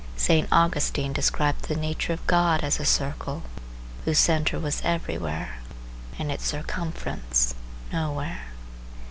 St. Augustine described the nature of God as a circle whose centre was everywhere and its circumference nowhere.